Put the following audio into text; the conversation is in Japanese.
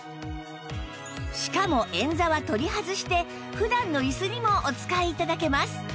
しかも円座は取り外して普段の椅子にもお使い頂けます